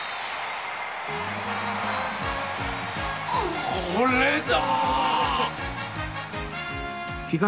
これだ！